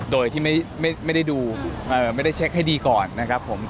โดยที่ไม่ได้ดูไม่ได้เช็คให้ดีก่อนนะครับผม